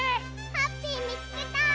ハッピーみつけた！